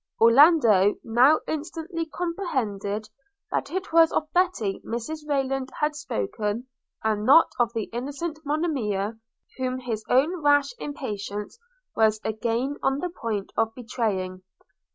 Orlando now instantly comprehended that it was of Betty Mrs Rayland had spoken, and not of the innocent Monimia, whom his own rash impatience was again on the point of betraying.